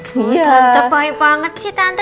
oh tante baik banget sih tante